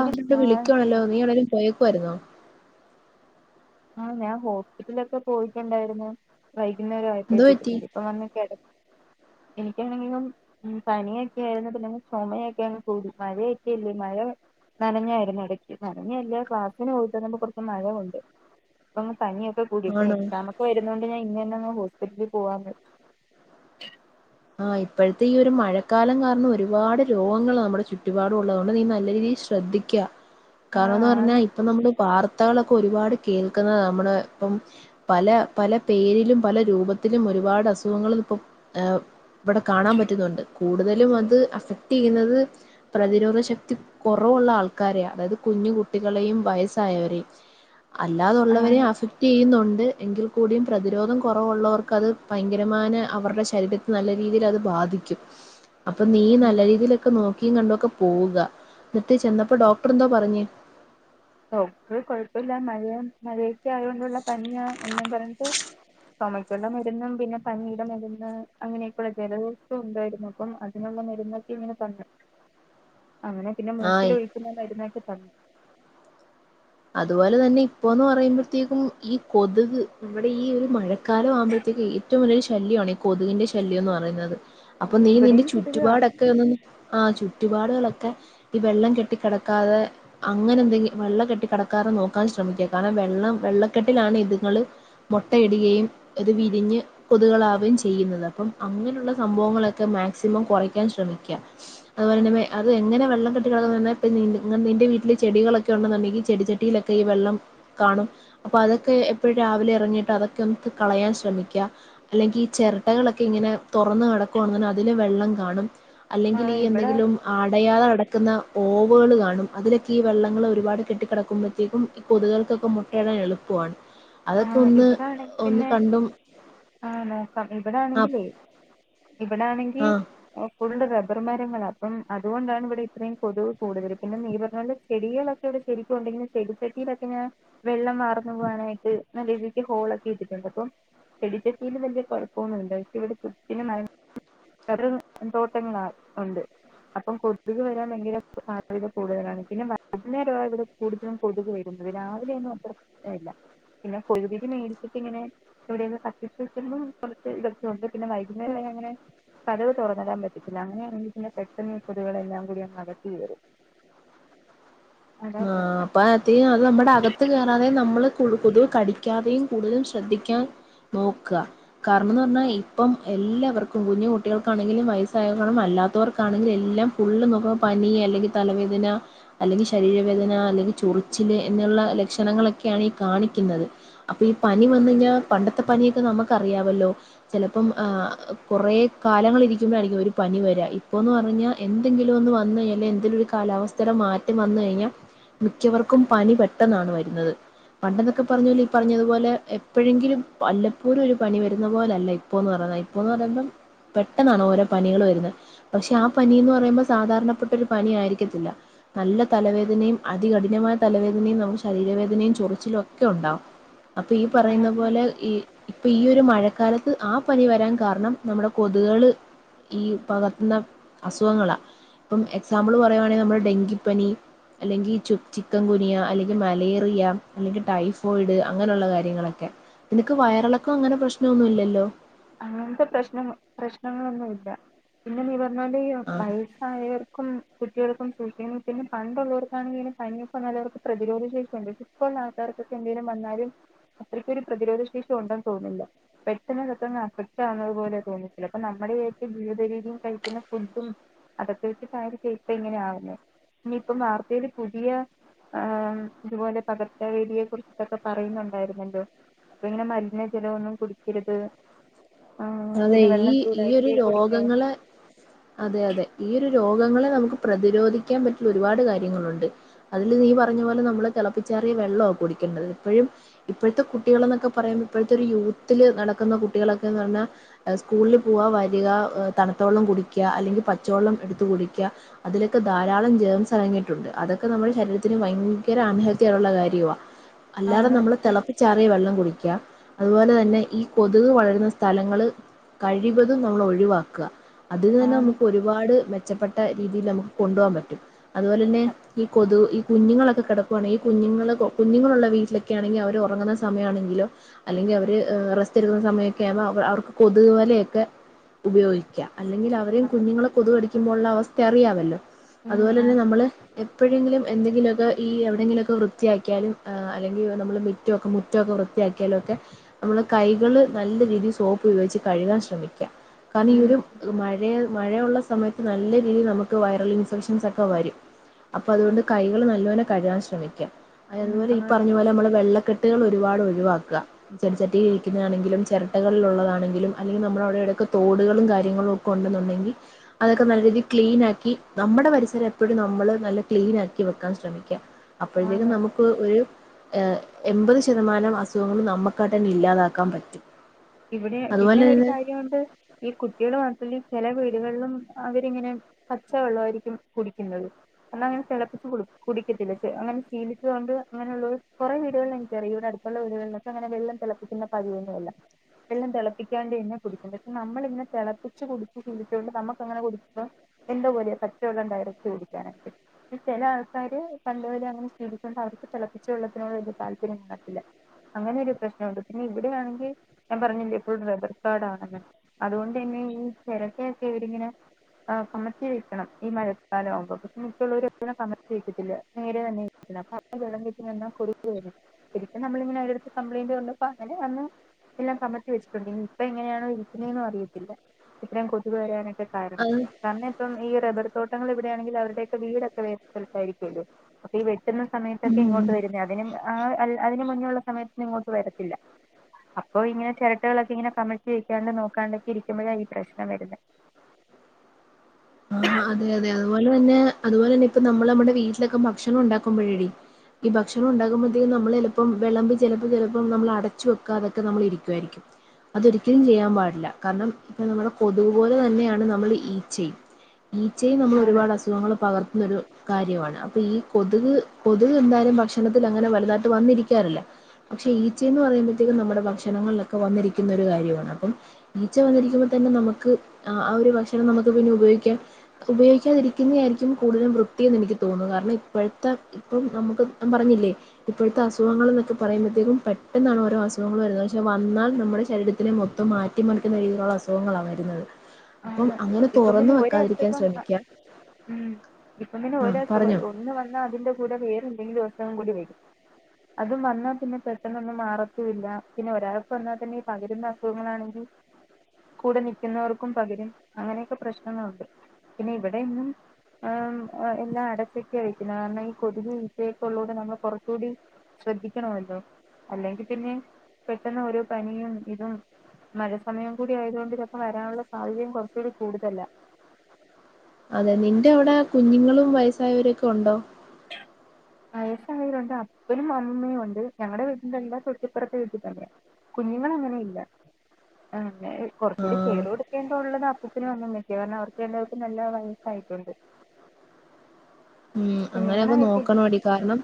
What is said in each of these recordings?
എടി ആഹ് വിളിക്കുവാണല്ലോ നീ വണേങ്കിലും പോയേക്കുമവാ യിരുന്നോ ആ ഞാൻ ഹോസ്പിറ്റലൊക്കെ പോയിട്ടുണ്ടായിരുന്നു വൈകുന്നേരം എന്തോ പറ്റി ആയിപ്പോഴതേക്ക ഇപ്പൊ വന്ന് കെട [inaudible] എനിക്കാണെങ്കിലും ഉ പനിയൊക്കെ ആയിരുന്നു പിന്നെങ്കി ചൊമയൊക്കെയാണ് കൂടി മഴയൊക്കെ ഇല്ലേ മഴ നനഞ്ഞായിരുന്നു ഇടയ്ക്ക് നനഞ്ഞല്ല ക്ലാസിന് പോയിട്ടന്ന പ്പം കൊർച്ച് മഴ കൊണ്ട് അപ്പൊങ്ങന പനിയൊക്കെ കൂടി അപ്പ ആണോ എക്സാം ഒക്കെ വരുന്നത് കൊണ്ട് ഞാ ഇന്നെന്നെ ഹോസ്പിറ്റലിൽ പോവാന്ന് ഹോസ്പിറ്റലിൽ പോവാന്ന് [inaudible] ആ ഇപ്പോഴത്തെഈ ഒരു മഴക്കാലം കാരണം ഒരുപാട് രോഗങ്ങൾ നമ്മുടെ ചുറ്റുപാടുള്ളതുകൊണ്ട് നീ നല്ല രീതിയിൽ ശ്ര ശ്രദ്ധിക്ക ആഹ് കാരണംന്ന് പറഞ്ഞാ ആണ് ഇപ്പ നമ്മള് വാർത്തകളൊക്കെ ഒരുപാട് കേൾക്കുന്നത് നമ്മള് ഇപ്പം പല പല പേരിലും പല രൂപ ത്തിലും ഒരുപാട് അസുഖങ്ങളും ഇപ്പം ഇവിടെ കാണാൻ പറ്റുന്നുണ്ട് കൂടുതലും അത് അഫക്ട് ചെയ്യുന്നത് പ്രതിരോധ ശക്തി കൊറ കുറവുള്ള ആൾക്കാരെ അതായത് കുഞ്ഞു കുട്ടികളെയും വയസ്സായവരെയും. അല്ലാതുള്ളവരെ ആണ് അഫക്ട് ചെയ്യുന്നു എങ്കിൽ കൂടിയും പ്രതിരോധം കുറവുള്ളവർക്കത് ഭയങ്കരമാ അവരുടെ ശരീരത്തി നല്ല രീതില് അത് ബാധിക്കും അപ്പൊ നീ ഉം നല്ല രീതിലൊക്കെ നോക്കി കണ്ടൊക്കെ പോവുക എന്നിട്ട് ചെന്നപ്പോ ഡോക്ടർ എന്താ പറഞ്ഞേ ഇപ്പോ കൊഴപ്പില്ല മഴയും മഴക്കെ ആയൊണ്ടുള്ള പനിയ എന്ന് പറന്നിട്ട് ചുമക്കുടെ മരുന്നും പിന്നെ പനിയുടെ മരുന്ന് അങ്ങനെയൊക്കെയള്ള ജലദോഷം ഉണ്ടായിരുന്നു അപ്പം അതിനൊ മെരുന്നക്ക ഇങ്ങനെ തന്ന് അങ്ങനെ പിന്നെ ആഹ് മൂക്കിലൊഴിക്കുന്ന മരുന്നൊക്കെ തന്നു അതുപോലെ തന്നെ ഇപ്പൊന്ന് പറയുമ്പോഴത്തേക്കും ഈ കൊതുക് ഇവിടെ ഈ ഒരു മഴ ക്കാലമാവുമ്പഴത്തേക്ക് ഏറ്റവും വലിയൊരു ശല്യമാണ് ഈ കൊതുകിന്റെ ശല്യം എന്ന് പറയുന്നത് അപ്പൊ നീ നിന്റെ ഇവിടെയും കൊതുകാ ചുറ്റുപാടൊക്കെ ഒക്കെ ഒന്ന് ആ ചുറ്റുപാടുകളൊ ക്കെ ഈ വെള്ളം കെട്ടിക്കിടക്കാതെ അങ്ങനെന്തെങ്കി വെള്ള കെട്ടി കിടക്കാറ് നോക്കാൻ ശ്രമിക്ക കാരണം വെള്ളം വെള്ളക്കെട്ടിലാണ് ഇതുങ്ങള് മൊട്ടയിടുകയും അത് വിരിഞ്ഞ് കൊതുകളാവുകയും ചെയ്യുന്നത് അപ്പം അങ്ങനെയുള്ള സംഭവങ്ങളൊക്കെ മാക്സിമം കുറക്കാൻ ശ്രമിക്ക [unintelligible] അത് എങ്ങനെ വെള്ളം കെട്ടി കിടക്കണം പ നി നിൻ്റെ വീ ട്ടിൽ ചെടികളൊക്കെണ്ടുന്നുണ്ടെങ്ങി ചെടിച്ചെട്ടിയിലൊക്കെ ഈ വെള്ളം കാണും അപ്പൊ അതൊക്കെ എപ്പോഴും രാവിലെ ഇറങ്ങിയിട്ട് അതൊക്കെ നമുക്ക് കളയാൻ ശ്ര ശമിക്ക അല്ലെങ്കിൽ ഈ ചിരട്ടകളൊക്കെ ഇങ്ങനെ തുറന്ന് കിടക്കുകവാണ അതില് വെള്ളം കാണും ആ അല്ലെങ്കിൽ ഈ ഇവിടെ എന്തെങ്കിലും ആടയാതെ ക്കുന്ന ഓവുകൾ കാണും അതിലൊക്കെ ഈ വെള്ളങ്ങൾ ഒരുപാട് കെട്ടിക്കിടക്ക ക്കുമ്പോഴത്തേക്കും ഈ കൊതുകൾക്കൊക്കെ മുട്ടയിടാൻ എളുപ്പമാണ്. അതൊക്കെ ആഹ് ഒന്ന് ഇവിടെ ആണെങ്കിൽ ഒന്ന് പിന്നെ കണ്ടും ആഹ് നോക്കാം ഇവിടെ ആ ആണെങ്കിൽ. ഇവിടെ ആണെങ്കിൽ ആ കൂടുതൽ റ ർ മരങ്ങള അപ്പം അതുകൊണ്ടാണ് ഇവിടെ ഇത്രയും കൊതുവ് കൂടുതൽ പിന്നെ നീ പറഞ്ഞ ചെടികളൊക്കെ ഇവിടെ ശരിക്കും ചെടിച്ചെട്ടയിലൊക്കെെ വെള്ളം വാറന്നു പോകാനായിട്ട് നല്ല രീതിക്ക് ഹോളൊക്കെ ഇട്ടിട്ടുണ്ട് അപ്പൊ ചെടിച്ചട്ടീൽ വലിയ കുഴപ്പമൊന്നുംല്ല പക്ഷെ ഇവിടെ ചുറ്റിനും മ വെറ തോട്ടങ്ങള ഉണ്ട്. അപ്പം കൊതുക് വരാൻ ഭങ്കര സാധ്യത കൂടുതലാണ് പിന്നെ വൈകുന്നേരമായി ഇവിടെ കൂടുതലും കൊതുക് വരും. അത് രാവിലെ ഒന്നും അത്ര പ്രശ്നല്ല. പിന്നെ കൊഴവിതി മേടിച്ചിട്ട ഇങ്ങനെ ഇവിടെ കത്തിച്ച്വെക്കുമ്പം കുറച്ച് ഇതൊക്കെയുണ്ട് പിന്നെ വൈകുന്നേര അങ്ങനെ കതവ് തുറന്നടാൻ പറ്റതില്ല അങ്ങനെയാണെങ്കിൽ പിന്നെ പെട്ടെന്ന് കൊതുകുകളെല്ലാം കൂടി അകത്തു കേറും. ആഹ് അപ്പത്ത അത് നമ്മുടെ അകത്ത് കയറാതെ നമ്മള് ക്കതൽ കടിക്കാതെയും കൂടുതലും ശ്രദ്ധിക്കാൻ നോക്കുക കാരണന്ന് പറഞ്ഞാൽ ഇപ്പം എല്ലാവർക്കും കുഞ്ഞു കുട്ടികൾക്കാണെങ്കിലും വയസ്സാവണ്ണം നല്ല നടകാർക്കാണെങ്കി എല്ലാം ഫുള്ള് നോക്കുമ്പോ പനി അല്ലെങ്കിൽ തലവേദന അല്ലെങ്കി ഷാ ശരീരവേദന അല്ലങ്കിൽ ചൊറിച്ചില് എന്നുള്ള ലക്ഷണങ്ങളൊക്കെ ആണി കാണിക്കുന്നത്. ഇപ്പന്ന്ഞ്ഞ പണ്ടത്തെ പണിയൊക്കെ നമുക്ക് അറിയാവല്ലോ ചെലപ്പം ആ കൊറേ കാലങ്ങളിരിക്കും ഒരു പനി വരാ ഇപ്പോന്ന് പറഞ്ഞാ എന്തെങ്കിലും ഒന്ന് വന്ന്യ്ഞ്ഞാ എന്തെലും ഒരു കാലാവസ്ഥയുടെ മാ വന്ന കയ്ഞ്ഞാ മിക്കവർക്കും പനി പെട്ടെന്നാണ് വരുന്നത്. പണ്ടെന്നൊക്കെ പറഞ്ഞാല് ഈ പറഞ്ഞതുപോലെ എപ്പഴെങ്കിലും വല്ലപ്പോലു ഒരു പനി വരുന്ന പോലല്ല ഇപ്പോന്ന് പറഞ്ഞ ഇപ്പൊന്ന് പറേംമ്പ പെട്ടെന്നാണ് ഓരോ പനികള് വരുന്ന പക്ഷെ ആ പനീന്ന് പറയുമ്പോ സാധാരണപ്പെട്ട ഒരു പനി ആയിരിക്കത്തില്ല. നല്ല തലവേദനയും അതികഠിനമായ തലവേദനയും നമുക് ശരീരവേദനയും ചൊറിച്ചിലും ഒക്കെ ഉണ്ടാവും. അപ്പൊ ഈ പറയുന്ന പ്രശ്നം പോലെ ഈ ഇപ്പൊ ഈ ഒരു മഴക്കാലത്ത് ആ പനി വരാൻ കാരണം നമ്മുടെ കൊതുകള് ഈ പകർത്തുന്ന അസുഖങ്ങളാ ഇപ്പം എക്സാമ്പിൾ പറയുവാണെങ്കി നമ്മുടെ ഡെങ്കിപ്പനി അല്ലെങ്കിൽ ചു ചിക്കൻ ഗുനിയ അല്ലെങ്കി മലേറിയ അല്ലെങ്കി ടൈഫോയിഡ് അങ്ങനെയുള്ള കാര്യങ്ങളൊക്കെ നിനക്ക് വയറിളക്കം അങ്ങനെ പ്രശ്നം ഒന്നും ഇല്ലല്ലോ അങ്ങനത്തെ പ്രശ്ന പ്രശ്നങ്ങളൊന്നും ഇല്ല പിന്നെ നീ ന്നാല് ഈ ആ വയസ്സായവർക്കും കു ട്ടികൾക്കും സൂക്ഷിക്കുന്നു പിന്നെ പണ്ടുള്ളവർക്കണെങ്കനെ പനിയൊക്കെ നല്ലവർക്ക് പ്രതിരോധ ശേഷിയുണ്ട് ഇപ്പൾ ഉള്ള ആൾക്കാർക്കൊക്കെ എന്തേലും വന്നാലും അത്രയ്ക്കൊരു പ്രതിരോധ ശേഷി ഉണ്ടെന്ന് തോന്നില്ല വെ ഇതൊന്നും അഫക്റ്റാവുന്നപോലെ തോന്നിട്ടില്ല അപ്പൊ നമ്മള് വിചാരിക്കും ജീവിതരീതിയും കഴിക്കുന്ന ഫുഡും അതൊക്കെ വെച്ച് കാര്യ ചെയ് ഇപ്പ ഇങ്ങനെയാവുന്ന ഇനിയിപ്പ വാർത്തയില് പുതിയ ആ അതുപോലെ പകർച്ച വാദിയെ കുറിച്ചൊക്കെ പറയുന്നുണ്ടായിരുന്നല്ലോ അപ്പൊ ഇങ്ങനെ മലിന ജലോന്നും കുടിക്കരുത് ആഹ് അതെ പിന്നെ ഈ വെള്ളം ഈ ഒരു ചൂടാക്കി കുടിക്കാവുന്ന രോഗങ്ങളെ അതെ അതെ ഈ ഒരു രോഗ ഖങ്ങളെ നമുക്ക് പ്രതിരോധിക്കാൻ പറ്റിയ ഒരുപാട് കാര്യങ്ങളുണ്ട് അതില് നീ പറഞ്ഞ പോലെ നമ്മളെ തിളപ്പിച്ചാറിയ വെള്ള കുടിക്കേണ്ടത് ഇപ്പോഴും ഇപ്പോഴത്തെ കുട്ടികൾ എന്നൊക്കെ പറയുമ്പോ ഇപ്പോഴത്തെ ഒരു യൂത്തില് നടക്കുന്ന കുട്ടികളൊക്കെ ക്കെന്ന് പറഞ്ഞാ സ്കൂളിൽ പോവാ വരിക തണുത്തോള്ളം കുടിക്ക അല്ലെങ്കിൽ പച്ചവെള്ളം എടുത്ത് കുടിക്ക അതിൽ ഇതൊക്കെ ധാരാളം ജെംസ് അടങ്ങിയിട്ടുണ്ട് അതൊക്കെ നമ്മുടെ ശരീരത്തിന് ഭയങ്കര അൺഹെൽത്തി ആയിട്ടുള്ള കാര്യമാ അല്ലാതെ ആണ് നമ്മള് ഇപ്പം തിളപ്പിച്ചാറിയ വെള്ളം കുടി ക്ക അതുപോലെ തന്നെ ഈ കൊതുക് വളരുന്ന സ്ഥലങ്ങള് കഴിവതും നമ്മൾ ഒഴിവാക്കുക അതിൽ നിന്ന് ആണ് നമുക്ക് ഒരുപാട് മെച്ചപ്പെട്ട രീതിയിൽ നമുക്ക് കൊണ്ടുപകവാൻ പറ്റും അതുപോലെ തന്നെ ഈ കൊതു ഈ കുഞ്ഞുങ്ങളൊക്കെ കിടക്കുകയാണെങ്കിൽ കുഞ്ഞുങ്ങൾ കുഞ്ഞുങ്ങളുള്ള വീട്ടിലൊക്കെ ആണെങ്കിൽ അവർ ഉറങ്ങുന്ന സമയമാണെങ്കിലോ അല്ലെങ്കിൽ അവര് റസ്റ്റ്ക്കുന്ന സമയൊക്കെ അവ് അവ കൊതു വലയൊക്കെ ഉപയോഗിക്കുക അല്ലെങ്കിൽ അവരെയയും കുഞ്ഞുങ്ങളെ കൊതു കടി ക്ക്മ്പോള്ള അവസ്ഥ അറിയാമല്ലോ ഉം അതുപോലെ തന്നെ ആണ് നമ്മള് എപ്പഴെങ്കിലും എന്തെങ്കിലുമൊക്കെ ഈ എവിടെയെങ്കിലൊക്കെ വൃത്തിയാക്കിയാലും അങ്കിൽ നമ്മള് മറ്റൊക്കെ മുറ്റോക്കെ വ്യത്തിയാക്കിയാലക്കെ നമ്മള് കൈകള് നല്ല രീതി സോ ഉപയോഗിച്ച് കഴുകാൻ ശ്രമിക്കാ കാരണം ഈ ഉം ഒരു ആണ് മഴയു മഴയുള്ള സമയത്ത് നല്ല രീതിയിൽ നമുക്ക് വൈറൽ ഇൻഫെക്ഷൻസ് ഒക്കെ വരും അപ്പൊ അതുകൊണ്ട് കൈകള് നല്ലോനെ കഴുകാൻ ശ്രമിക്കാം ഉം അതുപലെ ഈ ആണ് പറഞ്ഞ പോലെ നമ്മള് വെള്ള ക്കെട്ടുകൾ ഒരുപാട് ഒഴിവാക്ക ചെടിച്ചട്ടി ഇരിക്കുന്നാണെങ്കിലും ചിരട്ടകളിലുള്ളതാണെ അല്ലെങ്കിൽ നമ്മുടെ അവിടെടൊക്ക തടുകളും കാര്യങ്ങളും ഒക്കെ ഉണ്ടെന്നുണ്ടെങ്കിൽ അതൊക്കെ നല്ല രീതി ക്ലീനാക്കി നമ്മുടെ പരിസരം എപ്പോഴും നമ്മള് നല്ല ക്ലീൻ ആക്കി വെക്കാൻ ശ്രമിക്ക ആണ് അപ്പോഴത്തേക്കും നമുക്ക് ഒരു ഏ എൺപത് ശതമാനം അസുഖങ്ങൾ നമുക്കാട്ടെ തന്നെ ഇല്ലാതാക്കാൻ പറ്റും ഇവിടെ പിന്നെ അതുപോലെ ഒരു തന്നെ കാര്യമുണ്ട് ഈ കുട്ടികൾ മാത്രമല്ല ചെലെ വീ ട്കൾലും അവരിങ്ങനെ പച്ചവെള്ളായിരിക്കും കുടിക്കുന്നത് അന്നങ്ങനെളപ്പിച്ച് കുടിക്കത്തില്ല അങ്ങനെ ശീലിച്ചത് കൊണ്ട് അങ്ങനുള്ള കുറെേ വീടുകളിൽ എനിക്കറിയ ള്ള വെള്ളക്ക അങ്ങനെള്ളം തിളപ്പിക്കുന്ന പതിവന്നെ ഇല്ല വെള്ളം തിളപ്പിക്കാണ്ടെന്നെ കുടിക്കുന്നുണ്ട് നമ്മള് ഇങ്ങെ തിളപ്പിച്ച് കുടിച്ചു ഷിലിച്ചോണ്ട് നമ്മുക്ക അങ്ങനെ കുടിക്ക എന്താപോലെയ പച്ചള്ളം ടയറക്റ്റ് കുടിക്കാനായിട്ട് ചില ആൾക്കാര് പണ്ടേ മുതലെ അങ്ങനെ ശീ അവർക്ക് തിളപ്പിച്ച വള്ളത്തിനോട് വല്യ താല്പര്യം കാണത്തില്ല അങ്ങനെ ഒരു പ്രശ്നമുണ്ട് പിന്നെ ഇവിടെയാണെങ്കി ഞാൻ പറഞ്ഞില്ലേ എപ്പോഴും റെബർ കാടാണെന്ന് അതുകൊണ്ട് തന്നെ ഈ ചിരട്ടക്കെ ഇവടിങ്ങനെ ആ കമത്തി വെക്കണം ഈ മഴക്കാലം ആവുമ്പോ പക്ഷെ മറ്റുള്ളവർ കമത്തി വെക്കത്തില്ല നേരെ തന്നെ ല്ല അപ്പ [unintelligible] ശരിക്ക് നമ്മളിങ്ങനെ അ അടുത്ത് കംപ്ലയിന്റ് കൊണ്ട് അങ്ങനെ വന്ന് എല്ലാം കമത്തി വെച്ചിട്ടുണ്ടിൽ ഇപ്പ എങ്ങനെയണോ ഇരിക്കുന്നെന്നും അറിയത്തില്ല ഇത്രയും കൊതുവ് വരാനൊ കാരണം അത് കാരണം ഇപ്പം ഈ റബർ തോ ങ്ങള് എവിടെണെങ്കിൽ അവരുടെയൊെ വീടൊക്കെ വേറൊര് സ്ഥലത്തായിരിക്കല്ലേ അപ്പോ ഇ വെ കിട്ടുന്ന സമയത്തൊക്കെ ഉം ഇങ്ങോട്ട് വരുന്ന അതിനും ആഅൽ അതിന് മുന്നുള്ള സമയത്തിന് ഇങ്ങോട്ട് വരത്തില്ല. അപ് അപ്പൊ ഇങ്ങനെ ചെരട്ടകളൊക്കെ ഇങ്ങനെ കമയ്ത്തി വെക്കാണ്ട് നോക്കാണ്ടക്കെ ഇരിക്കുമ്പോഴാ ഈ പ്രശ്നം വരുന്ന ആ അതെ അതെ അതുപോല തന്നെ അതുപോലെന്നെ ഇപ്പ നമ്മള് നമ്മടെ വീട്ട്ലൊക്കെ ഭക്ഷണം ഉണ്ടാക്കുമ്പഴടി ഈ ഭക്ഷണം ഉണ്ടകുമ്പോഴത്തേക്കും നമ്മള് എളുപ്പം വെളമ്പി ചെലപ്പോ ചെ ലപ്പോം നമ്മൾ അടച്ചു വെക്കാ തൊക്ക നമ്മള് ഇരിക്കൊയിരിക്കും അതൊരിക്കലും ചെയ്യാം പാടില്ല കാരണം ഇപ്പൊ നമ്മള കൊതുക് പോലെ തന്നെയാണ് നമ്മൾ ഈച്ചിം ഈച്ചയും നമ്മൾ ആണ് ഒരുവാട് അസുഖങ്ങൾ പകർ ഇന്നരു കാര്യമാണ് അപ്പൊ ഈ കൊതുക് കൊതുക് ന്താലും ഭക്ഷണത്തിൽ അങ്ങനെ വല്ലാ ത വന്നിരിക്കാറില്ല പക്ഷെ ഈച്ചയെന്ന് പറയുമ്പോയ് ത്തേക്കും നമ്മടെ ഭക്ഷണങ്ങൾ ലൊക്കെ വന്നിരിക്കുന്നൊരു കാര്യമാണ് അപ്പം ഈച്ച വന്നിരി ക്കുമ്പോ തന്നെ നമ്മക്ക് അ ആ ഒരു ഭക്ഷണം നമ്മക്ക് പിന്നെ ഉപയോഗിക്കാൻ ഉപയോഗിക്കാതിരിക്കുന്ന ആരിക്കും കൂടുതലും വൃത്തീന്ന് എനിക്ക് തോന്നുന്നു കാര്ണം ഇപ്പോഴത്തെ ഇപ്പം നമുക്ക് പറഞ്ഞില്ലേ ഇപ്പോഴത്തെ അസുഖങ്ങൾ ന്നൊക്ക പറയുമ്പോഴത്തേക്കും പെട്ടെന്നാണ് ഓരോ അസുഖങ്ങൾ വരുന്നത് പക്ഷെ വന്നാൽ നമ്മളെ ശ രീരത്തിന് മൊത്തം മാറ്റിമറിക്കുന്ന രീതീലുള്ള സുഖങ്ങള വരുന്നത് അപ്പം അങ്ങനെ തുറന്ന് വെക്കാതിരി ഇപം അ ഉം ഇപ്പംപിന്നെ ആ ഒരസുകല് പറഞ്ഞോ ഒന്ന് വന്നാ അതിന്റെ കൂടെ വേറെന്തേലും അ നും കുരുവി അതും വന്നാ പിന്നെ പെട്ടെന്നൊന്നും മാറത്തുല്ല പിന്നെ ഒരാൾക്ക് വന്നാൽ തന്നെ പകരുന്ന അസുഖങ്ങളാണെങ്കി കൂടെ നിക്കുന്നവർക്കും പകരും അങ്ങനെയൊക്ക പ്രശ്നങ്ങളുണ്ട് പിന്നെ ഇവിടെ ന്നും ആമ് ആ എല്ലാ അടച്ചക്ക്യായി ന്നാ മെയ് കൊതുകും ഈച്ചയൊക്ക ഉള്ളോട് നമ്മൾ കുറച്ചൂടിം ശ്രദ്ധിക്കണമല്ലോ അല്ലെങ്കിൽ പിന്നെ പെട്ടെന്ന് ഓരോ പനിയും ഇതും മഴസമയം കൂടി ആയതൊണ്ട് രപ്പം വരാനുള്ള സാഹചര്യം കോർചൂടി കൂടുതല അതെ നിന്റെ അവടെ കുഞ്ഞുങ്ങളും വയസ്സായവരൊക്കെ ഉണ്ടോ യിലുണ്ട് അപ്പനും അമ്മയും ഉണ്ട് ഞങ്ങടെ വീട്ടിലല്ലാ തൊട്ടിപ്പുറത്തെ വീട്ടിൽ തന്നെയ കുഞ്ഞുങ്ങള് അങ്ങനെ ഇല്ല ആന്നേഹ് ആ കോർച്ചൂടിം മേലോടക്കേ ഉള്ളതാ ഇത്ത്ന് വന്നല്ലേ ക്യാര്ണം അവർക്ക് എല്ലാവക്കും നല്ല വയസ്സായിട്ടുണ്ട് ഉം അങ്ങനെക്ക കുഞ്ഞുങ്ങളായിട്ടില്ല നോക്കണോടി കാരണം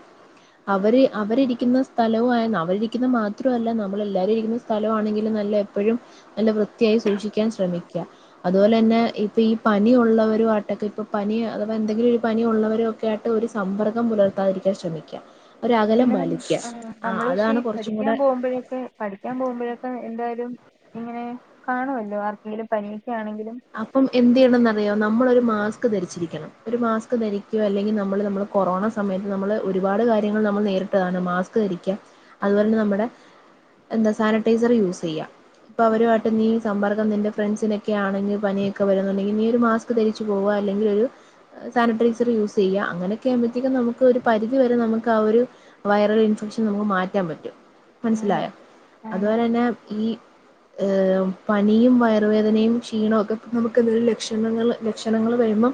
അവര് അവരിരിക്കുന്ന സ്ഥലവും ആയ്ന്ന് അവരിരിക്കുന്ന മാത്രല്ല നമ്മളെല്ലാരും ഇരിക്കുന്ന സ്ഥലവു ആണെങ്കിലും നല്ല എപ്പോഴും നല്ല വൃത്തിയായി സൂക്ഷിക്കാൻ ശ്രമിക്ക അതുപോലെന്നെ ഇപ്പൊ ഈ പനി ഉള്ളവരു ആട്ടൊക്കെ ഇപ്പോം പനി അഥവാ എന്തെങ്കിലും ഒരു പനി ഉള്ളവരുക്കെ ആയിട്ട് ഒരു സമ്മർകം പുലർത്താതിരിക്കാൻ ശ്രമിക്ക പിന്നെനമ് നമ്മള് പക്ഷേ കുറച്ചും പഠിക്ക്യാൻ കൂടെ പോകുമ്പോഴൊക്കെ പഠിക്കാൻ പോകുമ്പോഴൊക്കെ എന്തായാലും ഇങ്ങനെ കാണുഅല്ലോ ആർക്കെലും പനി അപ്പം എന്തയ്യണംന്നറിയോ നമ്മളൊരു മാസ്ക് ധരിച്ചിരിക്കണം ഒരു മാസ്ക് ധരിക്യോ അല്ലെങ്കിൽ നമ്മള് നമ്മള കൊറോണ സമയത്ത് നമ്മള് ഒരുപാട് കാര്യങ്ങൾ നമ്മൾ നേരത്ത ആണ് മാസ്ക് ദരിക്ക അതുപോൽ ഞ്ഞ നമ്മടെ എന്താ സാനറ്റൈസർ യൂസയ്യാ പ്പൊ അവരുവായിട്ട് നീ സമ്പർക്കം നിന്റെ ഫ്രണ്ട്സിനൊക്കെ ആണെങ്കി പനിയൊക്കെ വരുന്നുണ്ടെങ്കി നീ ഒരു മാസ്ക് ധരിച്ചു പോവുക അല്ലെങ്കിൽ ഒരു സാനിറ്ട്രൈസറ് യൂസയ്യാ അങ്ങനൊക്കെആവുമ്പാതെക്കും നമ്മു ക്ക് ഒരു പരിധി വരെ നമ്മക്ക് ആ ഒരു വൈറൽ ഇൻഫ ച്ചു നമ്മക്ക് മാറ്റാം പറ്റും ആണ് മനസ്സിലായ ആണ് അതുപോലെന്നെ ഈ ഹ് പനിയും വയറുവേദനയും ക്ഷീണക്കെ നമുക്ക് അതൊരു ലക്ഷണങ്ങൾ ലക്ഷണങ്ങൾ വരുമ്പം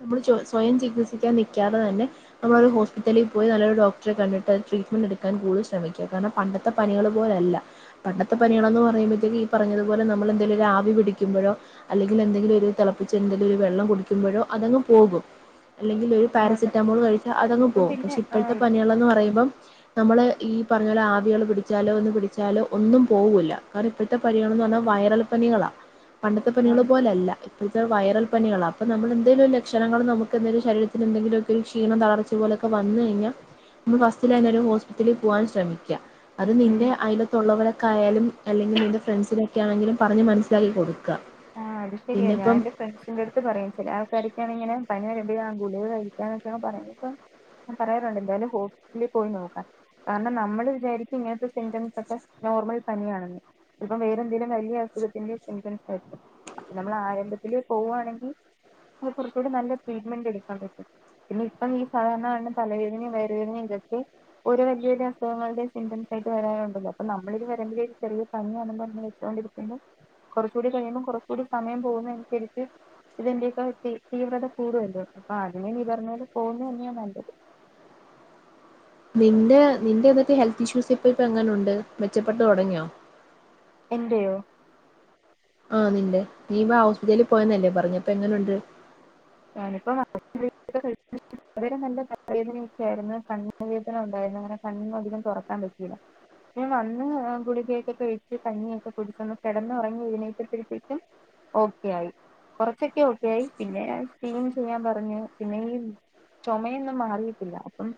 നമ്മള് ചോ സ്വയം ചികിത്സിക്കാൻ നിക്യാതെ തന്നെ നമ്മളരു ഹോസ്പിറ്റലിൽ പോയി നല്ലൊരു ഡോക് ട്രെ കണ്ടിട്ട് അത് ചികി മുന്നെടുക്കാൻ കൂടുതൽ ശ്രമിക്ക കാര്ണം പണ്ടത്തെ പനി കള് പോലെയല്ല പണ്ടത്തെ പനികളന്ന് പറയുമ്പോഴത്തേക്ക് ഈ പറഞ്ഞത് അതുപോലെ നമ്മളെന്തെലൊരു ആവി പിടിക്കുമ്പഴോ അല്ലെങ്കിൽ എന്തെങ്കിലൊരു തെ ളപ്പിച്ച് എന്തെങ്കിൽ വെള്ളം കുടിക്കുമ്പോഴോ അതങ്ങ് പോകും അല്ലെങ്കിൽ ഒരു ആണ് പാരസെറ്റാമോൾ കഴിച്ചാൽ അതങ്ങ് ഇപ്പം പോകും പിന്നെ പക്ഷെ ആ ഇപ്പോഴത്തെ പനികളന്ന് പറയുമ്പം നമ്മള് ഈ പറഞ്ഞോല ആവി അള് പിടിച്ചാലോ ഒന്ന് പിടിച്ചാലോ ഒന്നും പോഊല്ല കാര്ണം ഇപ്പോഴത്തെ പനി ആണന്ന് പർന്നാ വാ വയറൽപ്പനികളാ പണ്ടത്തെ പനികള് ആണ് പോലെ അല്ല ഇ [unintelligible] വൈറൽ പനികളാ അപ്പ നമ്മളെന്തേലൊരു ലക്ഷണങ്ങൾ നമുക്കെന്തേലും ശരീരത്തിന് എന്തെങ്കിലൊക്കെരു ക്ഷീണം തളർചെയ പോലെ ക്കെ വന്ന് കഴിഞ്ഞാ നമ്മ ഫസ്റ്റിലഞ്ഞെ ഒരു ഹോസ്പിറ്റലിൽ പോകാൻ ശ്രമിക്കുക അത് ഉം നിന്റെ അയിലത്തുള്ളവരൊക്കെ ആയാലും അല്ലെങ്കിൽ നിന്റെ ഫ്രണ്ട്സിനൊക്കൊണെങ്കിലും പറഞ്ഞ് മനസ്സിലാക്കി കൊടുക്ക ആഹ് അത് ശരിയാ ഞാൻ എന്റെ ഫ്രണ്ട്സിന്റെ അടുത്ത് പറയും ചില ആൾക്കാരൊക്കെയാണ് ഇങ്ങനെ പ്പനി വരുമ്പഴും ഗുളിക കഴിക്കാന്നൊക്കെയാണ് പറയുന്നത്പ്പ പറയാറുണ്ട് എന്തായാലും ഹോസിറ്റലിൽ പോയി നോക്കാ കാരണം നമ്മള് വിചാരിക്കും ഇങ്ങനത്തെ സിംറ്റംസ് ഒക്കെ നോർമൽ പനിയാണെന്ന് ചിലപ്പൊ വേറെ എന്തേലും വലിയ അസുഖത്തിന്റെ സിംറ്റ ശ അപ്പൊ നമ്മൾ ആരംഭത്തില് പോവുവാണെങ്കിൽ അത് കുറച്ചുകൂടി നല്ല ട്രീറ്റ്മെന്റ് എടുക്കാൻ പറ്റും പിന്നെ ഇപ്പം ഈ സാധാരണണ് തലവേദനയും വേറ വേദനയും ഇതൊക്കെ ഓര വല വലിയ അസുഖങ്ങളുടെ സിംസ്യിട്ട് വരാറുണ്ടല്ലോ അപ്പ നമ്മിത് വരെങ്ക ഒരു ചെറിയ പനിയാണ പറഞ്ഞ വെച്ചോ കുറച്ച കൂടി കഴിയും കുറച്ച കൂടി സമയം പോകുന്ന അനുസരിച്ച് ഇതെന്റെറെയൊക്കെ തീവ്രത കൂടുല്ലോ അപ്പൊ അതിനന് നീ പറഞ്ഞ പോത് പോകുന്ന തന്നെയാ നല്ലത് [inaudible] നിന്റെ നിന്റെ എന്നന്തക്കത്തെ ഹെൽത്ത് ഇഷ്യൂസ് ഇപ്പ ഇപ്പ എങ്ങനെ ഉണ്ട് മെച്ചപ്പെട്ട തുടങ്ങിയോ എന്തയോ ആ്ന്നല്ലേ നീ ഇപ്പ ഹോസ്പിറ്റലിൽ പോയന്നല്ലേ പറഞ്ഞപ്പ എങ്ങനുണ്ട് ാനിപ്പ കഴ അവരെം തന്റെ തവേദനച്ചയായിരുന്നു കണ്ണുവേദന ഉണ്ടായിരരുന്നു അങ്ങനെ കണ്ണിനന്നും അധികം തുറക്കാൻ പറ്റിയില്ല പക്ഷെ വന്ന് ഗുളികൊക്കൊക്കെഴിച്ച് കഞ്ഞിയൊക്കെ കുടിച്ചന്ന് കിടന്നുറങ്ങി ഇതിനേത്തപ്പോഴത്തേക്കും ഓക്കെ ആയി കൊറച്ചൊക്കെ ഓക്കെ ആയി പിന്നെ സ്ീം ചെയ്യാൻ പറഞ്ഞു പിന്നെ ഈ ചുമയൊന്നും മാറിയിട്ടില്ല അപ്പം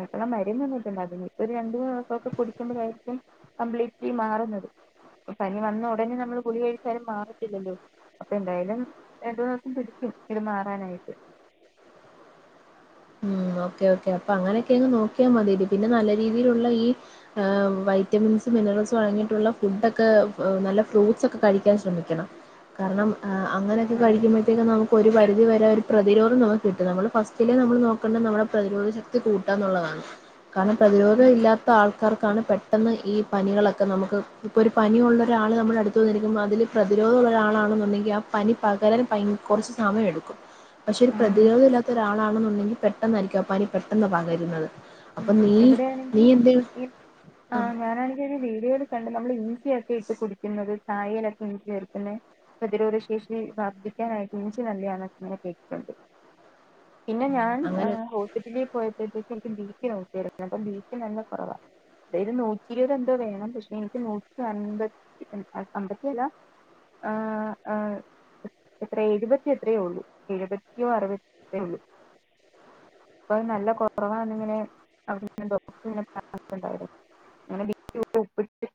സിപ്പുള്ള മരന്ന് തന്നിട്ടുണ്ട് അതിനി ഇപ്പൊ ഒരു രണ്ട മൂന്ന് ദിവസംൊക്കെ കുടിക്കുമ്പോഴായിരിക്കും കംപ്ലീറ്റ്ലി മാറുന്നത് പനി വന്ന ഉടനെ നമ്മള് പുലി കഴിച്ചാലും മാറല്ലല്ലോ അപ്പൊ എന്തായാലും രണ്ട മന്ന് ദിവസം പിടിക്കും ഇത് മാറാനായിട്ട് ഉ ഓക്കേ ഓക്കെ അപ്പൊ അങ്ങനെയൊക്കെങ്ങ് നോക്കിയാൽ മതി പിന്നെ നല്ല രീതിയിലുള്ള ഈ വൈറ്റമിൻ ക ക ആ് അങ്ങനൊക്കെ ആഹ് കഴിക്കുമ്പോഴത്തേക്ക നമുക്ക് ഒരു പരിി വരെ ഒരു പ്രതിരോധം നമു കിട്ടും നമ്മള് ഫസ്റ്റിലെ നമ്മൾ നോ നമ്മുടെ പ്രതിരോധ ശക്തി കൂട്ടാ എന്നുള്ളതാണ് കാരണം പ്രതിരോധം ഇല്ലാത്ത ആൾക്കാർക്കാണ് പെട്ടെന്ന് ഈ പനികളൊക്കെ നമുക്ക് ഇപ്പൊ ഒരു പനിിയ ഉുള്ള ഒരാൾ നമ്മൾ അടുത്തു വന്നിരിക്കുമ്പൾ അതില് പ്രതിരോധമുള്ളരാ ാണുണ്ടെങ്കിൽ ആ പനി പകരാൻ കുറച്ച്ു സമയമ എടുക്കും പക്ഷെ ഒരു ആണ് പ്രതിരോധമ ഇല്ലത്ത ഒരാളാണെന്നുണ്ടെങ്കിൽ പെട്ടെന്നായിരിക്കാപ്പാനി പെട്ടെന്ന പകരുന്നത് ഉ അപ്പൊ നീ നീ എവിടെയാണെങ്കിൽ എന്ത് ഈ ആ ഞാനാണെങ്കിൽ വേഡിയോ കണ്ട നമ്മള് യ ചച്ചിയൊക്കെ ഇട്ട് കുടിക്കുന്നത് ചായലൊക്കെ ഇ ചേർക്കന്ന് പ്രതിരോധശേഷി വർധിക്കാനായിട്ട് എഞ്ച് നല്ലണന്നെ കേട്ടിട്ടുണ്ട് പിന്നെ ഉം ഞാൻ അങ്ങനെ ഹോസ്പിറ്റലേ പോയപ്പോഴത്തേക്കീ നോ അപ്പൊ ബീച്ച് നല്ല കുറവാ അതായത് നൂറ്റി ഇരുപത് എന്തോ വേണം പക്ഷെ എനിക്ക് നൂറ്റി അമ്പത്തി അമ്പത്തി അല്ല ആഹ ആഹ എത്രയ എഴുപത്തിയ എത്രയോ ഉള്ളൂ എഴുപത്തിയോ അറുപത്തി എത്ര ഉള്ളൂ അപ്പൊത് നല്ല കൊറവന്നിങ്ങനെ അവിണ്ട അങ്ങനെപ്പി